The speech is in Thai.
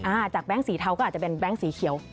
จากแบงค์สีเทาก็อาจจะเป็นแบงค์สีเขียว